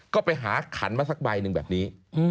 ก็ไปหาขันมาสักใบหนึ่งแบบนี้